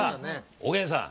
おげんさん